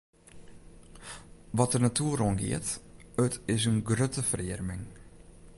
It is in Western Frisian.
Wat de natoer oangiet, is it in grutte ferearming.